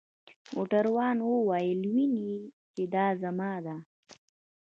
موټروان وویل: وینې يې؟ چې دا زما ده.